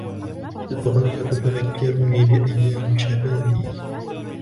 الاغنية تذكرني بأيام شبابي.